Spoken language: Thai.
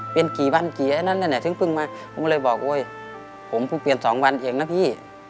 เปลี่ยนกี่วันกี่ไอ้นั่นแหละถึงเพิ่งมาผมก็เลยบอกโอ๊ยผมเพิ่งเปลี่ยน๒วันเองนะพี่